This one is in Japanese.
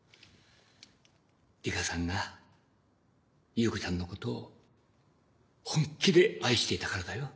梨花さんが優子ちゃんのことを本気で愛していたからだよ。